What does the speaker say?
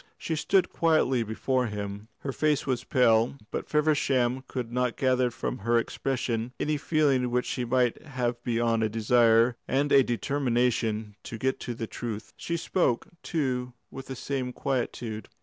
She stood quietly before him; her face was pale, but Feversham could not gather from her expression any feeling which she might have beyond a desire and a determination to get at the truth. She spoke, too, with the same quietude.